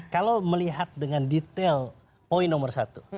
kalau melihat dengan detail poin nomor satu